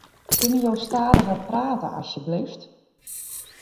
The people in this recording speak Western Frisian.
Kinne jo stadiger prate asjebleaft?